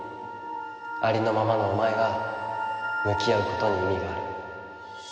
ありのままのお前が向き合うことに意味がある。